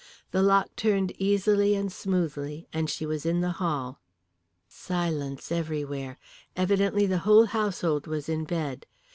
The lock turned easily and smoothly, and she was in the hall. Silence everywhere. Evidently the whole household was in bed.